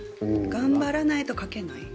頑張らないと書けない。